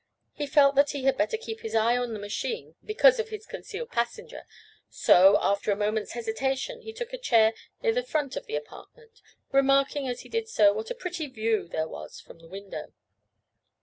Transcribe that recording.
He felt that he had better keep his eye on the machine, because of his concealed passenger, so, after a moment's hesitation, he took a chair near the front of the apartment, remarking, as he did so, what a pretty view there was from the window.